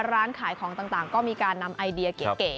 ร้านขายของต่างก็มีการนำไอเดียเก๋